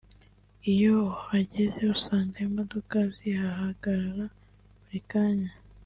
Iyo uhageze usanga imodoka zihahagarara buri kanya